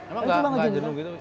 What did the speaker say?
emang nggak jenuh gitu